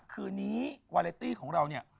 คืนนี้วาเลตี้ของเราเนี่ย